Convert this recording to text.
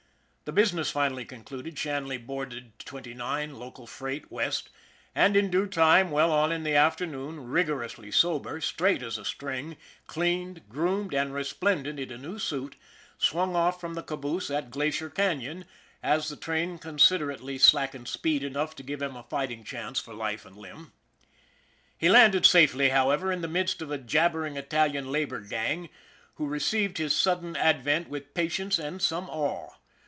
The business finally concluded, Shanley boarded Twenty nine, local freight, west, and in due time, well on in the afternoon, righteously sober, straight as a string, cleaned, groomed, and resplendent in a new suit, swung off from the caboose at Glacier Canon as the train considerately slackened speed enough to give him a fighting chance for life and limb. He landed safely, however, in the midst of a jab bering Italian labor gang, who received his sudden advent with patience and some awe.